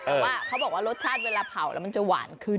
แต่ว่าเขาบอกว่ารสชาติเวลาเผาแล้วมันจะหวานขึ้น